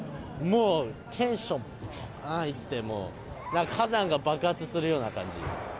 もう、テンションばーんいって、もうなんか火山が爆発するような感じ。